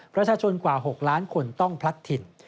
ประชาชนกว่า๖ล้านคนต้องพลัดถิ่น